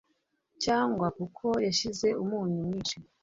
cyangwa kuko yashyize umunyu mwinshi